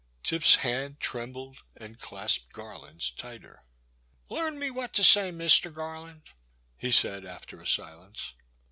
Tip's hand trembled and clasped Garland's tighter. Leam me what to say, Mister Gar land," he said after a silence.